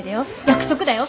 約束だよ。